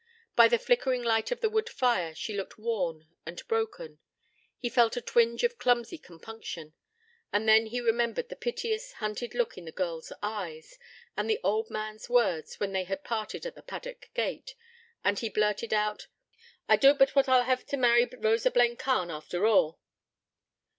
By the flickering light of the wood fire, she looked worn and broken: he felt a twinge of clumsy compunction. And then he remembered the piteous, hunted look in the girl's eyes, and the old man's words when they had parted at the paddock gate, and he blurted out: 'I doot but what I'll hev t' marry Rosa Blencarn after all.'